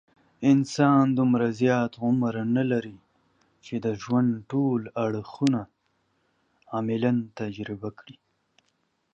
انسان دومره زیات عمر نه لري، چې د ژوند ټول اړخونه عملاً تجربه کړي.